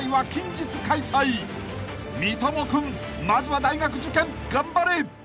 ［三友君まずは大学受験頑張れ！］